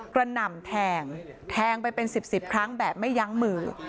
หน่ำแทงแทงไปเป็น๑๐ครั้งแบบไม่ยั้งมือ